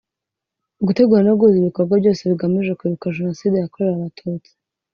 Gutegura no guhuza ibikorwa byose bigamije kwibuka jenoside yakorewe abatutsi